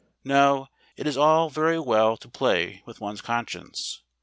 No, it is all very well to play with one's conscience.